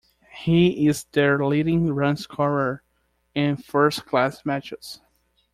He is their leading run scorer in first-class matches.